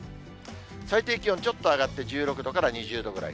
最低気温、ちょっと上がって１６度から２０度ぐらい。